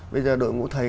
bây giờ đội ngũ thầy